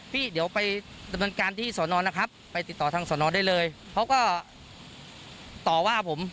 พี่เดี๋ยวไปดำเนินการที่สอนอนนะครับไปติดต่อทางสอนอนได้เลยเขาก็ต่อว่าผม